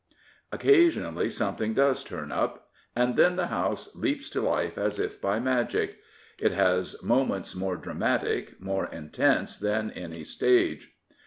Occasionally something does turn up, and then the House leaps to life as if by magic. It has moments more dramatic, more intense than any stage.